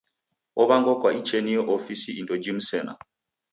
Ow'angwa kwa icheniyo ofisi indo jimu sena.